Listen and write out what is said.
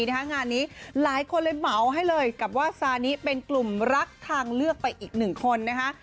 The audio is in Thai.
งานนี้หลายคนเลยเหมาให้เลยกับว่าซานิเป็นกลุ่มรักทางเลือกไปอีกหนึ่งคนนะคะ